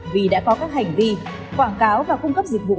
vì đã có các hành vi quảng cáo và cung cấp dịch vụ